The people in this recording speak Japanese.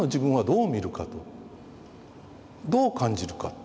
どう感じるか。